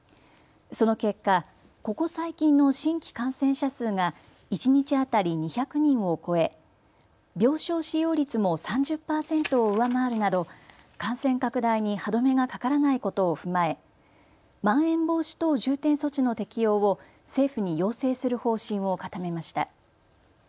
その結果、ここ最近の新規感染者数が一日当たり２００人を超え病床使用率も３０％を上回るなど感染拡大に歯止めがかからないことを踏まえまん延防止等重点措置の適用を政府に要請する方針を固めました。